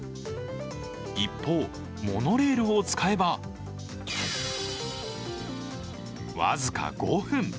一方、モノレールを使えば僅か５分。